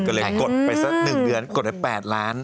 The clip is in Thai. ก็เลยกดไปสัก๑เดือนกดไป๘ล้าน